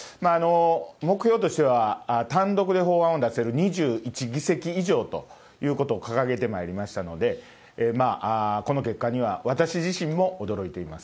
目標としては単独で法案を出せる２１議席以上ということを掲げてまいりましたので、この結果には、私自身も驚いています。